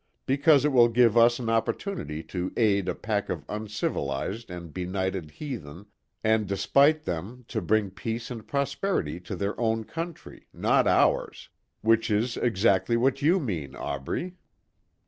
Because it will give us an opportunity to aid a pack of uncivilized and benighted heathen and despite them to bring peace and prosperity to their own country not ours. Which is exactly what you mean, Aubrey."